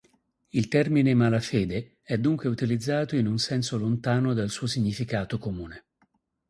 Il termine "malafede" è dunque utilizzato in un senso lontano dal suo significato comune.